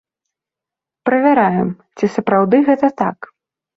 Правяраем, ці сапраўды гэта так.